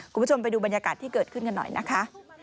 คุณผู้ชมไปดูบรรยากาศที่เกิดขึ้นกันหน่อยนะคะ